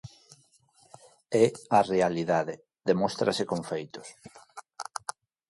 É a realidade, demóstrase con feitos.